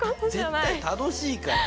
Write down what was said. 絶対楽しいから。